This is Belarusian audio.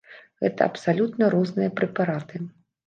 Гэта абсалютна розныя прэпараты.